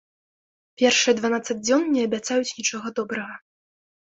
Першыя дванаццаць дзён не абяцаюць нічога добрага.